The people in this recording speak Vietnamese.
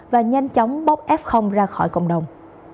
và nhanh chóng bóc f ra khỏi cộng đồng